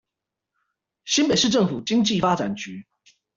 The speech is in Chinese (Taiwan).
新北市政府經濟發展局